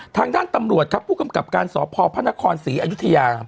ทางด้านตำรวจครับผู้กำกับการสพพระนครศรีอยุธยา